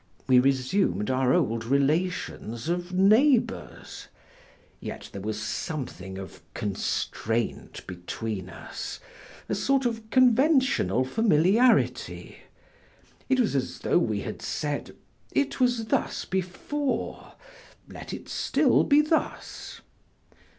We resumed our old relations of neighbors; yet there was something of constraint between us, a sort of conventional familiarity. It was as though we had said: "It was thus before, let it still be thus."